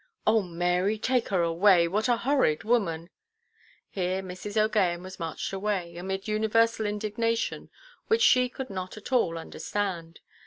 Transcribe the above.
"Oh, Mary, take her away. What a horrid woman!" Here Mrs. OʼGaghan was marched away, amid universal indignation, which she could not at all understand.